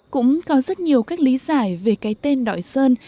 cũng có rất nhiều cách lý giải về cái tên đội sơn